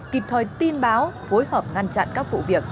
kịp thời tin báo phối hợp ngăn chặn các vụ việc